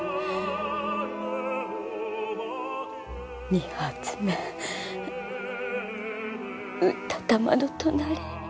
２発目撃った弾の隣。